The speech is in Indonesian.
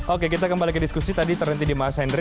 oke kita kembali ke diskusi tadi terhenti di mas henry